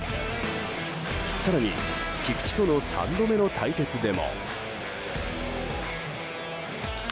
更に菊池との３度目の対決でも。